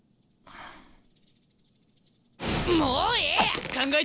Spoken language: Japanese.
もうええ！